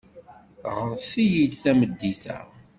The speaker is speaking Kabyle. Ɣret-iyi-d tameddit-a.